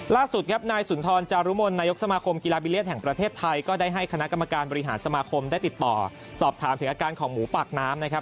ล่าสุดครับนายสุนทรจารุมลนายกสมาคมกีฬาบิเลียนแห่งประเทศไทยก็ได้ให้คณะกรรมการบริหารสมาคมได้ติดต่อสอบถามถึงอาการของหมูปากน้ำนะครับ